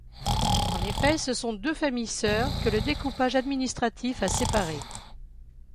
En effet, ce sont deux familles sœurs que le découpage administratif a séparées.